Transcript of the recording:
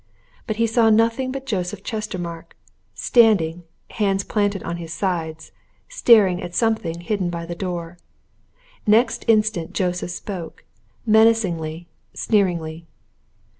But he saw nothing but Joseph Chestermarke, standing, hands planted on his sides, staring at something hidden by the door. Next instant Joseph spoke menacingly, sneeringly.